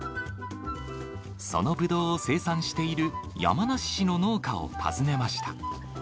そのブドウを生産している、山梨市の農家を訪ねました。